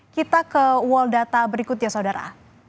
kita ke world data berikut ya saudara